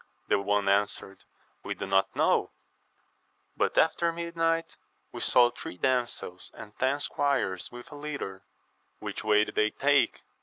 The one answered, we do not know ; but after midnight we saw three damsels and ten squires with a litter. — Which way did they take?